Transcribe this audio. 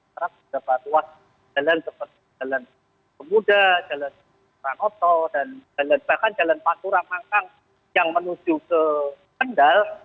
terus ada ruas jalan seperti jalan pemuda jalan rangoto dan jalan paturang hangkang yang menuju ke pendal